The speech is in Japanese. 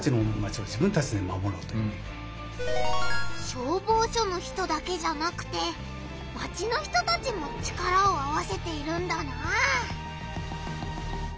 消防署の人だけじゃなくてマチの人たちも力を合わせているんだなあ。